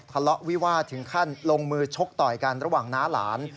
ทะเลาะวิวาดถึงขั้นลงมือชกต่อยกันระหว่างน้าหลาน